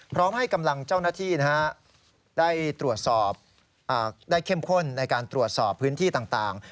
พร้อมให้กำลังเจ้าหน้าที่ได้ตรวจสอบได้เข้มข้นในการตรวจสอบพื้นที่ต่าง